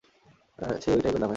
সে ওই টাইপের না, ভায়া।